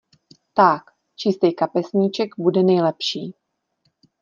Ták, čistej kapesníček bude nejlepší.